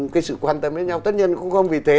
cái sự quan tâm đến nhau tất nhiên cũng không vì thế